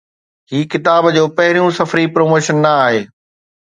هي ڪتاب جو پهريون سفري پروموشن نه آهي